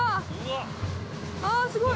ああすごい。